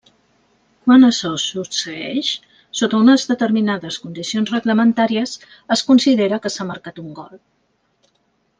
Quan açò succeeix, sota unes determinades condicions reglamentàries, es considera que s'ha marcat un gol.